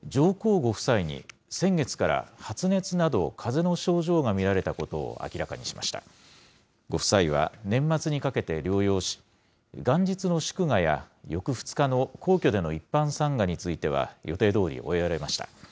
ご夫妻は年末にかけて療養し、元日の祝賀や翌２日の皇居での一般参賀については予定どおり終えられました。